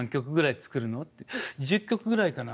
「１０曲ぐらいかな」